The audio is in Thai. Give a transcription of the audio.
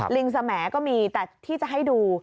ลิงสมก็มีแต่ที่จะให้ดู